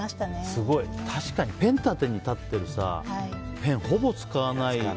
確かにペン立てに立ってるペンほぼ使わない。